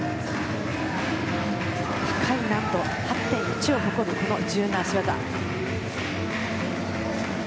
高い難度、８．１を誇る自由な脚技。